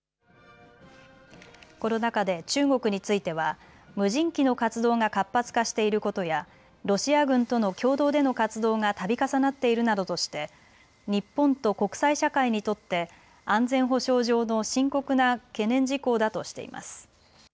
この中で中国については無人機の活動が活発化していることやロシア軍との共同での活動がたび重なっているなどとして日本と国際社会にとって安全保障上の深刻な懸念事項だとしています。